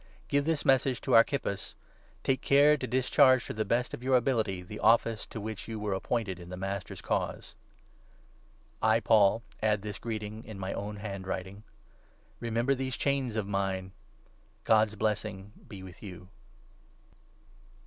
Give this message to Archippus —' Take care to discharge 17 to the best of your ability the office to which you were ap pointed in the Master's Cause.' The A ostio's I» Paul> add this greeting in my own hand 18 own writing. Remember these chains of mine. God's blessing be with you.